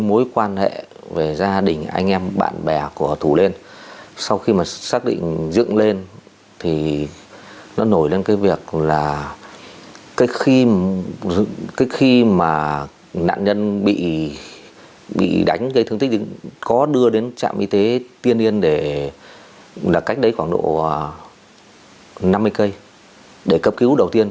cái mối quan hệ về gia đình anh em bạn bè của thủ lên sau khi mà xác định dựng lên thì nó nổi lên cái việc là cái khi mà nạn nhân bị đánh gây thương tích có đưa đến trạm y tế tiên yên để là cách đấy khoảng độ năm mươi km để cập cứu đầu tiên